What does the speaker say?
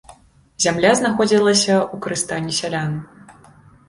Зямля знаходзілася ў карыстанні сялян.